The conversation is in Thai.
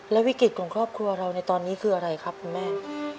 วิกฤตของครอบครัวเราในตอนนี้คืออะไรครับคุณแม่